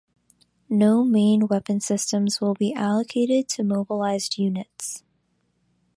No main weapon systems will be allocated to mobilized units.